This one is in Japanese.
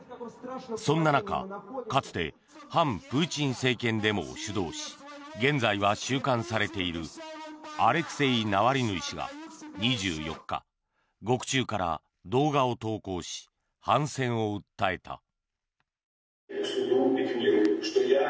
そんな中、かつて反プーチン政権デモを主導し現在は収監されているアレクセイ・ナワリヌイ氏が２４日、獄中から動画を投稿し反戦を訴えた。